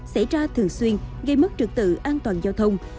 xảy ra thường xuyên gây mất trực tự an toàn giao thông